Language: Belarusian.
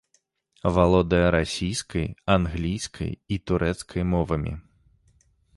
Валодае расійскай, англійскай і турэцкай мовамі.